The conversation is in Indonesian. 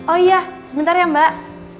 oh iya sebentar ya mbak